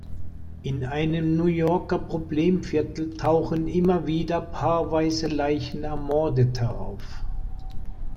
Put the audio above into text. In einem New Yorker Problemviertel tauchen immer wieder paarweise Leichen Ermordeter auf.